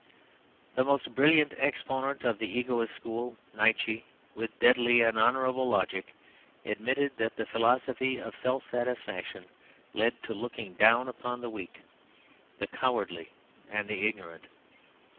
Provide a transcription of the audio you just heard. The most brilliant exponent of the egoistic school, Nietszche, with deadly and honourable logic, admitted that the philosophy of self satisfaction led to looking down upon the weak, the cowardly, and the ignorant.